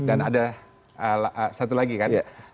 dan ada satu lagi kan